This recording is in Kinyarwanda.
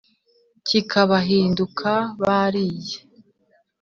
kikabahinduka bariye